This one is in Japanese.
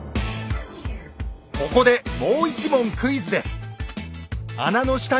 ここでもう一問クイズです。